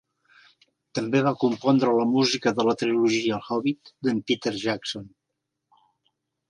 També va compondre la música de la trilogia "El Hobbit" d'en Peter Jackson.